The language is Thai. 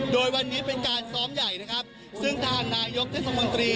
โดยวันนี้เป็นการซ้อมใหญ่นะครับซึ่งทางนายกเทศมนตรี